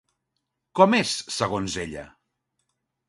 Com és, segons ella?